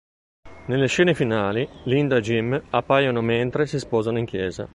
Nelle scene finali, Linda e Jim appaiono mentre si sposano in chiesa.